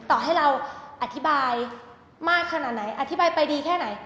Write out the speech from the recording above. ต่อให้เราอธิบายมากใหนบทอธิบายไปดีแบบนี้